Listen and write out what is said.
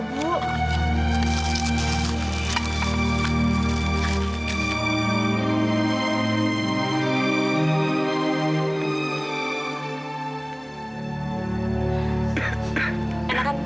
bu ya nggak jadi besar